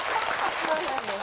そうなんです。